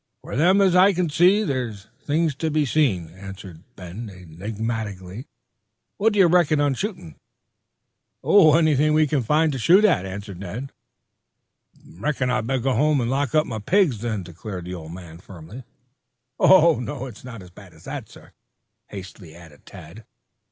"For them as can see, there's things to be seen," answered Ben enigmatically. "What do you reckon on shooting?" "Anything we can find to shoot at," answered Ned. "Beckon I'll go home and lock up my pigs, then," declared the old man firmly. "Oh, it's not as bad as that, sir," hastily added Tad.